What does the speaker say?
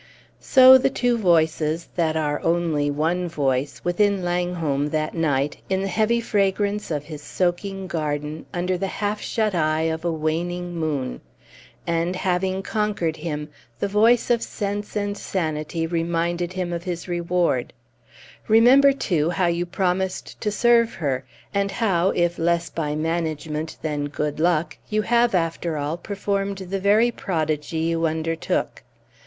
So the two voices, that are only one voice, within Langholm that night, in the heavy fragrance of his soaking garden, under the half shut eye of a waning moon; and, having conquered him, the voice of sense and sanity reminded him of his reward: "Remember, too, how you promised to serve her; and how, if less by management than good luck, you have, after all, performed the very prodigy you undertook.